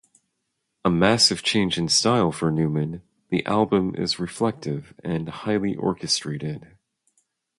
A massive change in style for Newman, the album is reflective and highly orchestrated.